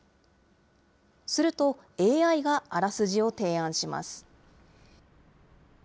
すると、ＡＩがあらすじを提案します。